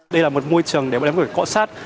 đây là một môi trường để bọn em có thể cõi sát